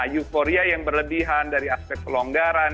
nah euforia yang berlebihan dari aspek kelonggaran